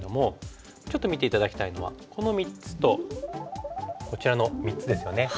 ちょっと見て頂きたいのはこの３つとこちらの３つですよね。